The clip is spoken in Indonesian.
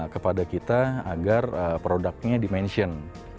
kepada kita agar produknya di mention